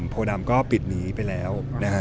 โพด่ำก็ปิดหนีไปแล้ว